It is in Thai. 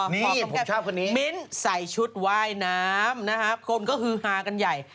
มิ้นก็ใส่ชุดว่ายน้ำคนก็ฮืดฮากันใหญ่